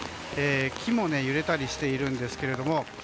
木も揺れたりしているんですけど。